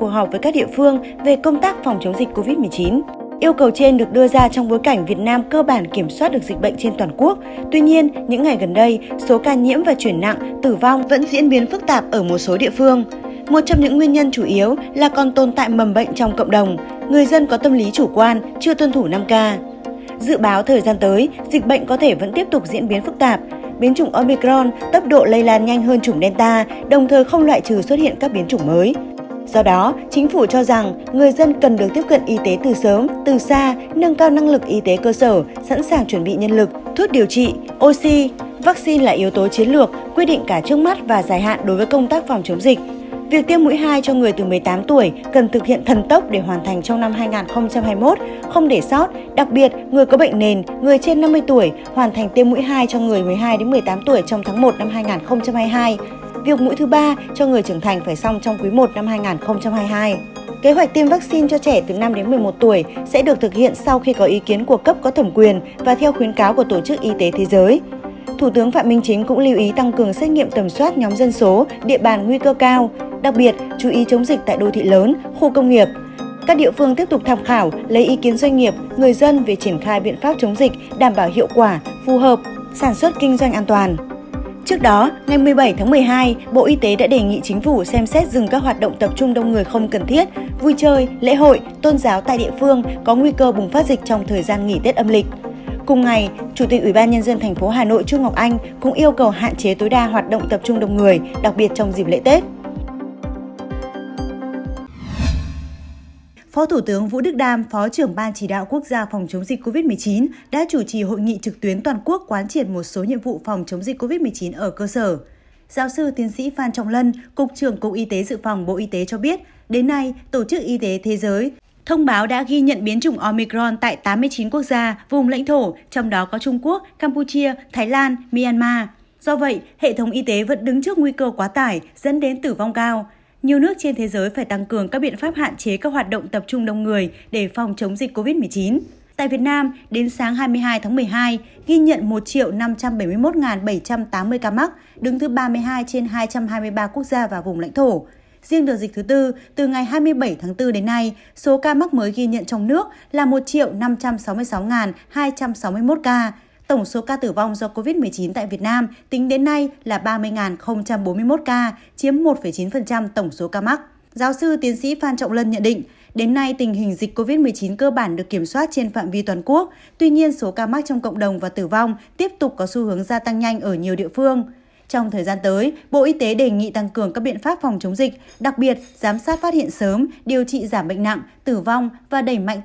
hãy đăng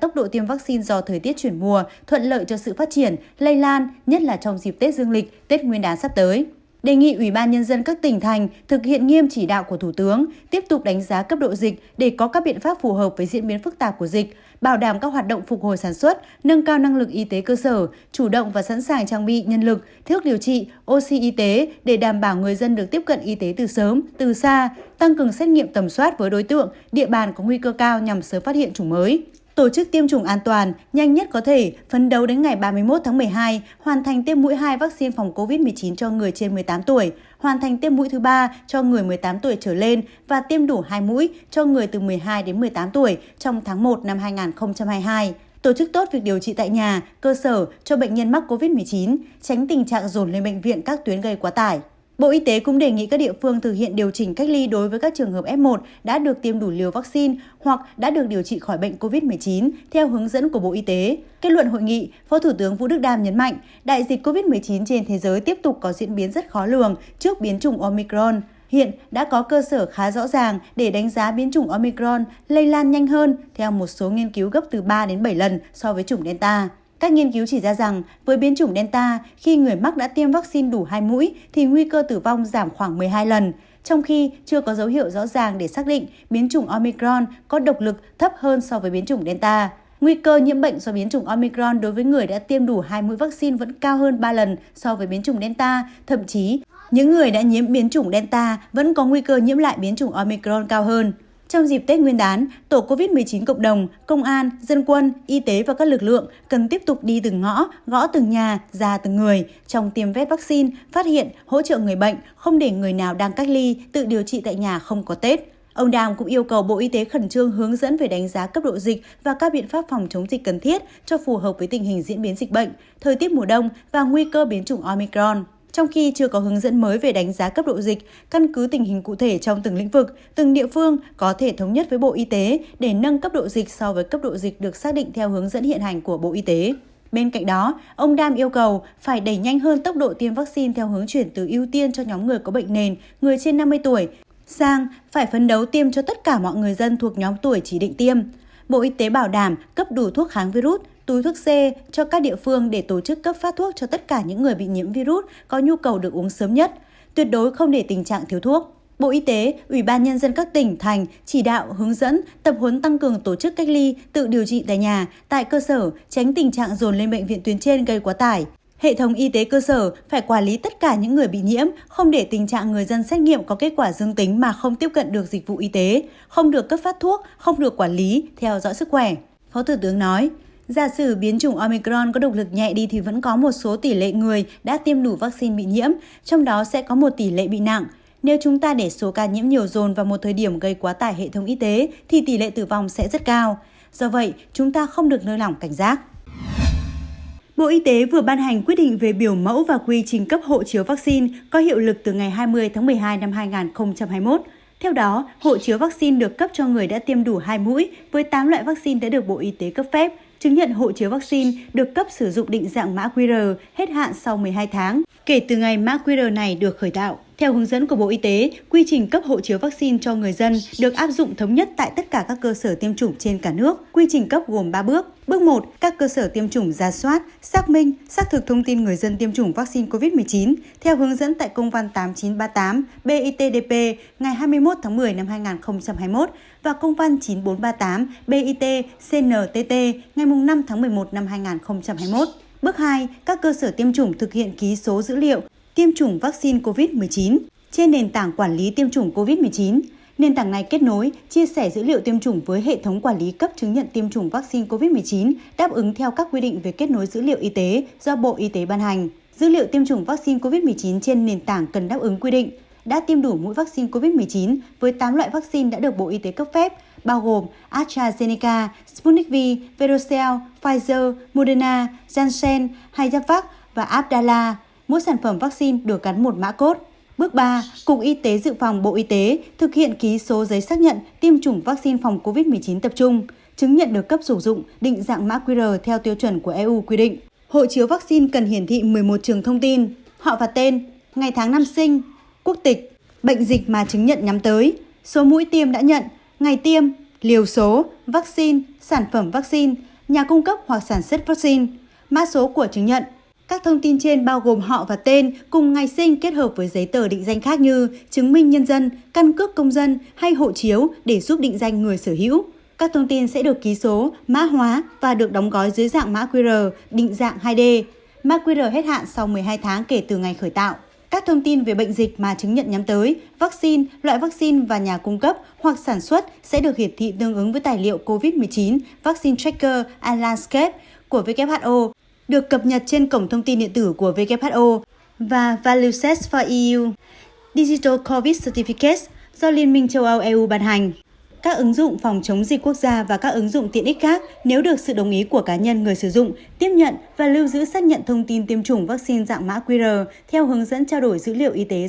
ký kênh để ủng hộ kênh của chúng mình nhé